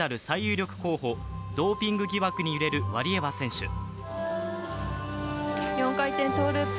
最有力候補ドーピング疑惑に揺れるワリエワ選手。